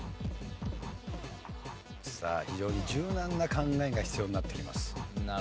さあ非常に柔軟な考えが必要になってきます。